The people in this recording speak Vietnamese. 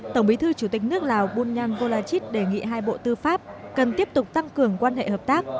tổng bí thư chủ tịch nước lào bunyang volachit đề nghị hai bộ tư pháp cần tiếp tục tăng cường quan hệ hợp tác